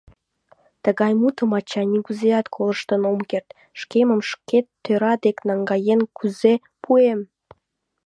Тыгай мутым, ачай, нигузеат колыштын ом керт: шкемым шке тӧра дек наҥгаен кузе пуэм?